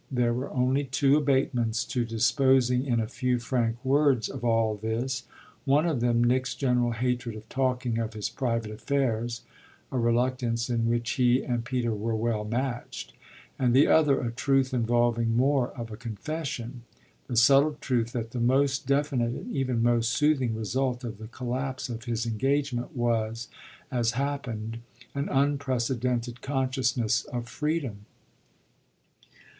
There were only two abatements to disposing in a few frank words of all this: one of them Nick's general hatred of talking of his private affairs (a reluctance in which he and Peter were well matched); and the other a truth involving more of a confession the subtle truth that the most definite and even most soothing result of the collapse of his engagement was, as happened, an unprecedented consciousness of freedom.